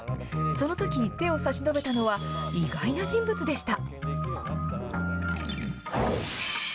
そのとき手を差し伸べたのは、意外な人物でした。